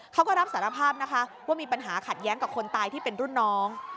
เขาก็รับสารภาพนะคะว่ามีปัญหาขัดแย้งกับคนตายที่เป็นรุ่นน้อง